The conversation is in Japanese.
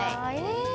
え！